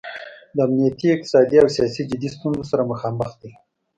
د امنیتي، اقتصادي او سیاسي جدي ستونځو سره مخامخ دی.